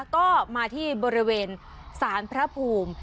ก็มาที่บริเวณสารพระภูมิ